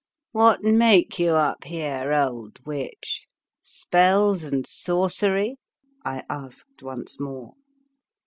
" What make you up here, old witch, spells and sorcery? " I asked once more.